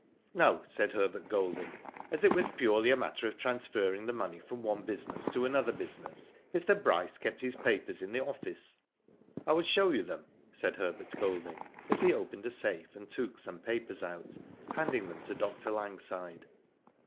No," said Herbert Golding. ^* As it was purely a matter of transferring the money from one business to another business, Mr. Bryce kept his papers in the office. I will show you them," said Herbert Golding, as he opened a safe and took some papers out, handing them to 'Dr. Langside.